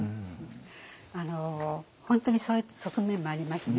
本当にそういった側面もありますね。